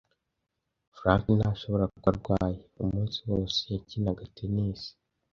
Frank ntashobora kuba arwaye. Umunsi wose yakinaga tennis.